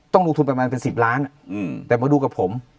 ต้องลงทุนประมาณเป็น๑๐ล้านแต่มาดูกับผม